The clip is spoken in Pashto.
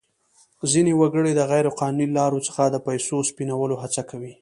ځینې وګړي د غیر قانوني لارو څخه د پیسو سپینولو هڅه کوي.